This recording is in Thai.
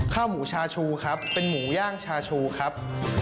ข้าวหมูชาชูครับเป็นหมูย่างชาชูครับ